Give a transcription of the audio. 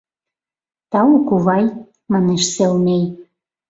— Тау, кувай! — манеш Селмей.